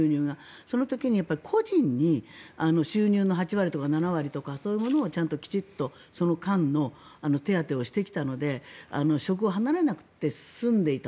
その時に個人に収入の８割とか７割とかそういうものをちゃんと、きちんとその間の手当てをしてきたので職を離れなくて済んでいた。